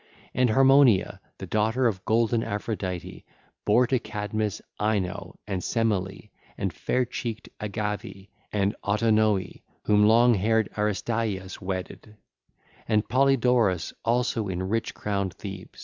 (ll. 975 978) And Harmonia, the daughter of golden Aphrodite, bare to Cadmus Ino and Semele and fair cheeked Agave and Autonoe whom long haired Aristaeus wedded, and Polydorus also in rich crowned Thebe.